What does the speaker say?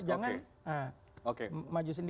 jangan maju sendiri